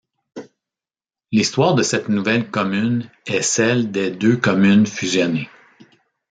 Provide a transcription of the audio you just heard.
L'histoire de cette nouvelle commune est celle des deux communes fusionnées.